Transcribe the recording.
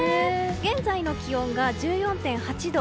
現在の気温が１４．８度。